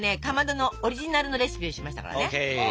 かまどのオリジナルのレシピにしましたからね。